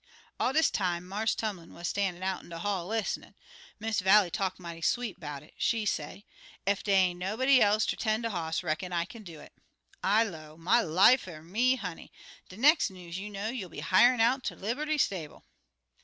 "All dis time Marse Tumlin wuz stan'in' out in de hall lis'nin'. Miss Vallie talk mighty sweet 'bout it. She say, 'Ef dey ain't nobody else ter 'ten' de hoss, reckin I kin do it.' I low, 'My life er me, honey! de nex' news you know you'll be hirin' out ter de liberty stable.'